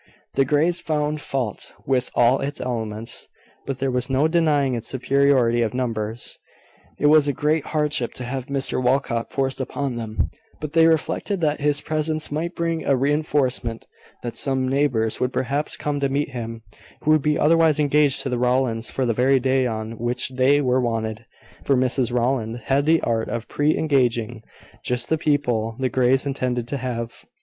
The Greys found fault with all its elements; but there was no denying its superiority of numbers. It was a great hardship to have Mr Walcot forced upon them; but they reflected that his presence might bring a reinforcement that some neighbours would perhaps come to meet him, who would be otherwise engaged to the Rowlands, for the very day on which they were wanted; for Mrs Rowland had the art of pre engaging just the people the Greys intended to have.